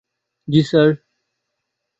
জি, sir!